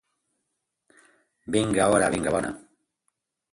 Vinga hora, vinga bona!